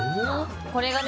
これがね